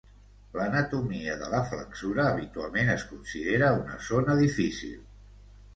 L'anatomia de la flexura habitualment es considera una zona difícil.